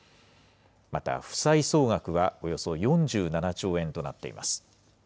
また、負債総額はおよそ４７兆円となっています。